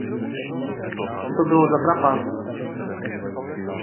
Co to bylo za trapas?